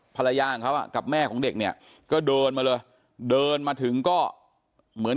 ภรรยาของเขาอ่ะกับแม่ของเด็กเนี่ยก็เดินมาเลยเดินมาถึงก็เหมือน